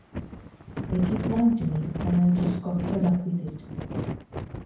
They kept lying to me... and I just got fed up with it.